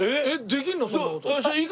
できるの？